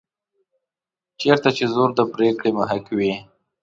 چېرته چې زور د پرېکړې محک وي.